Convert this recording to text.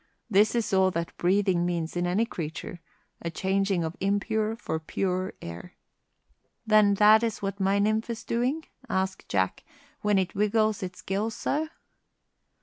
This is all that breathing means in any creature a changing of impure for pure air." "Then that is what my nymph is doing," asked Jack, "when it wiggles its gills so?"